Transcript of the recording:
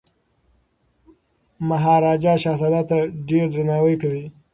مهاراجا به شهزاده ته ډیر درناوی کوي.